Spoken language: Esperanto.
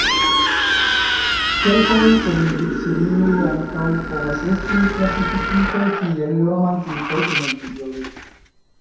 Kelkaj televidserioj ankaŭ povas esti klasifikitaj kiel romantikaj komedioj.